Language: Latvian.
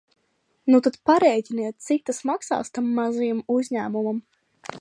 Nu tad parēķiniet, cik tas maksās tam mazajam uzņēmumam!